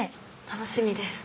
楽しみです。